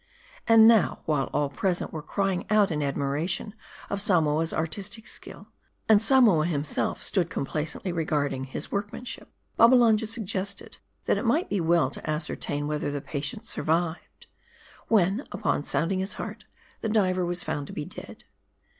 And now, while all present were crying out in admiration of Samoa's artistic skill, and Samoa himself stood compla cently regarding his workmanship, Babbalanja suggested, that it might be well to ascertain whether the patient sur vived. When, upon sounding his heart, the diver was found to be dead.